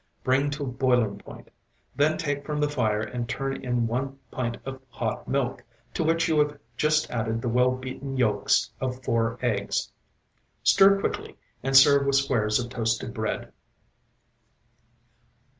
Bring to boiling point, then take from the fire and turn in one pint of hot milk, to which you have just added the well beaten yolks of four eggs. Stir quickly and serve with squares of toasted bread.